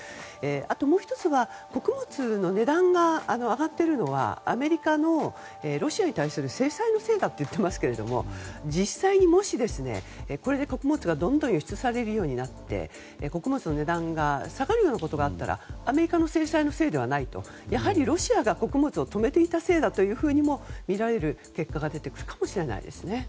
あと、もう１つは穀物の値段が上がっているのはアメリカのロシアに対する制裁のせいだと言っていますけども実際に、もしこれで穀物がどんどん輸出されるようになって穀物の値段が下がるようなことがあったらアメリカの制裁のせいではないとやはりロシアが穀物を止めていたせいだとも見られる結果が出てくるかもしれないですね。